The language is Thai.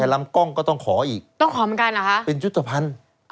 แต่ลำกล้องก็ต้องขออีกต้องขอเหมือนกันเหรอคะเป็นยุทธภัณฑ์